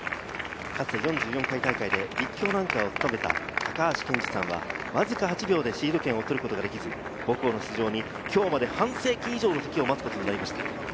かつて４４回大会、立教のアンカーを務めた高橋憲司さんはわずか８秒でシード権を取ることができず母校の復帰まで半世紀以上、待つことになりました。